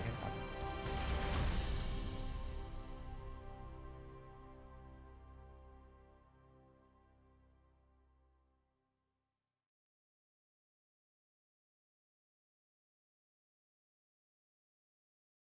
อุ้มนี่ผมก็มั่นใจว่า๑ปีผมจะต้องจัดการให้ได้๕๐ล้านกันต่อ